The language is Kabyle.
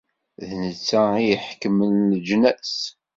D netta i iḥekmen leǧnas.